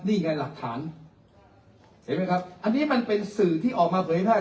นี่ไงหลักฐานเห็นไหมครับอันนี้มันเป็นสื่อที่ออกมาเผยแท